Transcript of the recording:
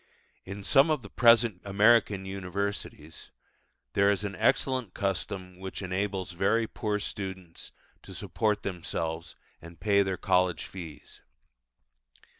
In some of the present American universities there is an excellent custom which enables very poor students to support themselves and pay their college fees.